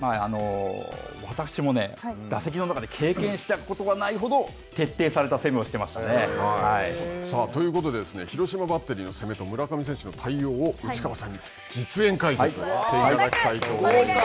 私も打席の中で経験したことのないほど、徹底された攻めをしていましたね。ということで、広島バッテリーの攻めと、村上選手の対応を、内川さんに実演解説していただきたいと思います。